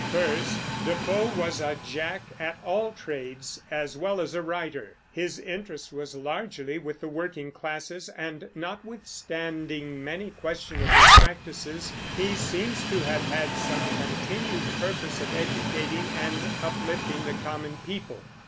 First, Defoe was a jack at all trades, as well as a writer; his interest was largely with the working classes, and notwithstanding many questionable practices, he seems to have had some continued purpose of educating and uplifting the common people.